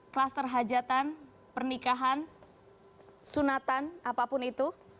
kluster hajatan pernikahan sunatan apapun itu